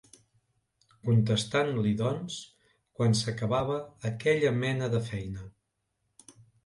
Contestant-li doncs quan s'acabava aquella mena de feina